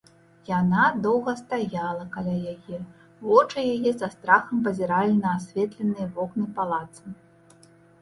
Яна доўга стаяла каля яе, вочы яе са страхам пазіралі на асветленыя вокны палаца.